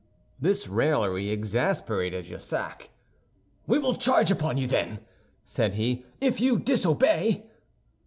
This raillery exasperated Jussac. "We will charge upon you, then," said he, "if you disobey."